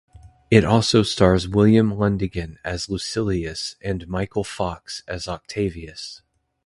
It also stars William Lundigan as Lucilius and Michael Fox as Octavius.